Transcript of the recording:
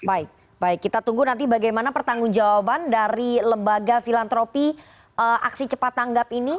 baik baik kita tunggu nanti bagaimana pertanggung jawaban dari lembaga filantropi aksi cepat tanggap ini